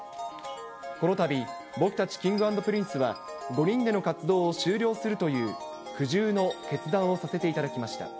このたび、僕たちＫｉｎｇ＆Ｐｒｉｎｃｅは、５人での活動を終了するという苦渋の決断をさせていただきました。